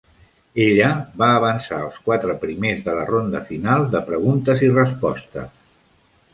Ella va avançar als quatre primers de la ronda final de preguntes i respostes.